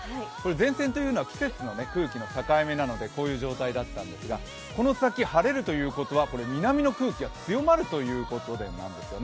前線というのは季節の空気の境目なのでこういう状態だったんですが、この先、晴れるということは、南の空気が強まるということなんです。